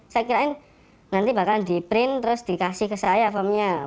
saya kirain nanti bakal di print terus dikasih ke saya formnya